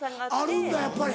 あるんだやっぱり。